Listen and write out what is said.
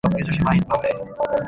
সবকিছু সীমাহীন পাবে।